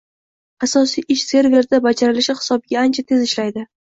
asosiy ish serverda bajarilishi hisobiga ancha tez ishlaydi